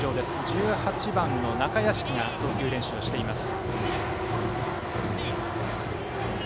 １８番の中屋敷が投球練習をしています。